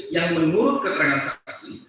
yang menurut keterangan saksi